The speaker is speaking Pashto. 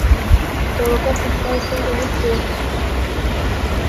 توکل په خدای څنګه وکړو؟